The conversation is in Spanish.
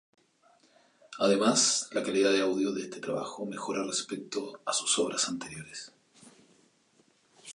Además, la calidad de audio de este trabajo mejora respecto a sus obras anteriores.